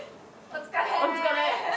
お疲れ！